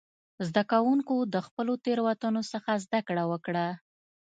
زده کوونکو د خپلو تېروتنو څخه زده کړه وکړه.